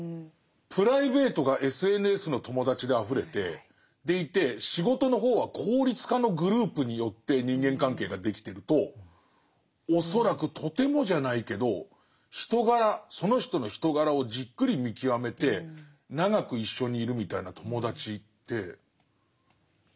プライベートがＳＮＳの友達であふれてでいて仕事の方は効率化のグループによって人間関係ができてると恐らくとてもじゃないけど人柄その人の人柄をじっくり見極めて長く一緒にいるみたいな友達ってつくれない。